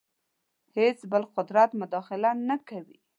هېڅ بل قدرت مداخله نه کوي.